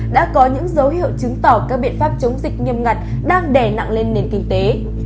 đã có những dấu hiệu chứng tỏ các biện pháp chống dịch nghiêm ngặt đang đè nặng lên nền kinh tế